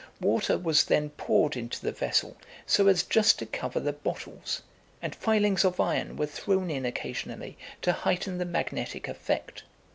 Water was then poured into the vessel so as just to cover the bottles, and filings of iron were thrown in occasionally to heighten the magnetic effect.